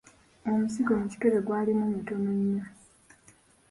Omuzigo mu kikebe gwalimu mutono nnyo.